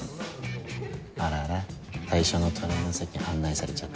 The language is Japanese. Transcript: あらら対象の隣の席案内されちゃった。